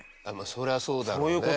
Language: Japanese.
それはそうだろうね。